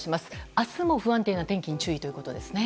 明日も不安定な天気に注意ということですね。